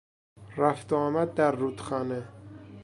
رفت و آمد در رودخانه